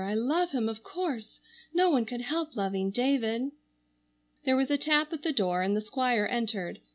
I love him of course. No one could help loving David." There was a tap at the door and the Squire entered.